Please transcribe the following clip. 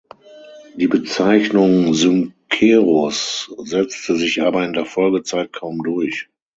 Die Bezeichnung "Syncerus" setzte sich aber in der Folgezeit kaum durch.